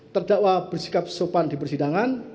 terdakwa bersikap sopan di persidangan